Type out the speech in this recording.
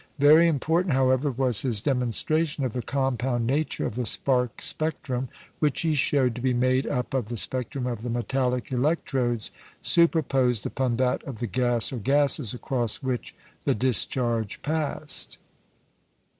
Very important, however, was his demonstration of the compound nature of the spark spectrum, which he showed to be made up of the spectrum of the metallic electrodes superposed upon that of the gas or gases across which the discharge passed.